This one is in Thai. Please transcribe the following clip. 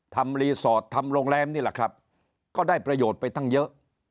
ทำรีสอร์ททำโรงแรมนี่แหละครับก็ได้ประโยชน์ไปตั้งเยอะ